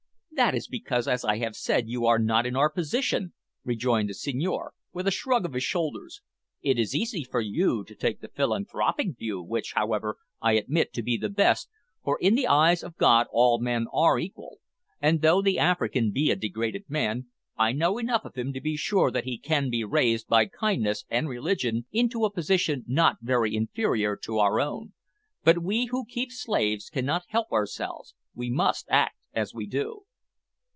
"That is because, as I said, you are not in our position," rejoined the Senhor, with a shrug of his shoulders. "It is easy for you to take the philanthropic view, which, however, I admit to be the best, for in the eyes of God all men are equal, and though the African be a degraded man, I know enough of him to be sure that he can be raised by kindness and religion into a position not very inferior to our own; but we who keep slaves cannot help ourselves we must act as we do."